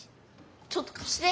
ちょっとかして。